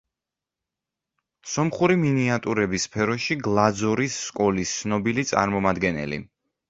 სომხური მინიატურების სფეროში გლაძორის სკოლის ცნობილი წარმომადგენელი.